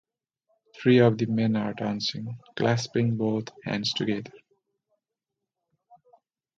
Three of the men are dancing, clasping both hands together.